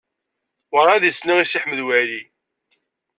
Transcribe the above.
Ur ɛad i s-nniɣ i Si Ḥmed Waɛli.